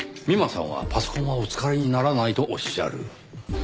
美馬さんはパソコンはお使いにならないとおっしゃる。